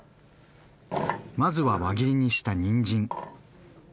まずは輪切りにしたにんじん。